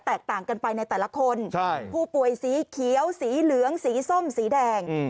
ต่างกันไปในแต่ละคนผู้ป่วยสีเขียวสีเหลืองสีส้มสีแดง